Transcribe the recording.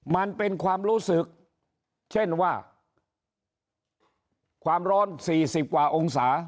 มันเป็นความรู้สึกเช่นว่าความร้อน๔๐กว่าองศา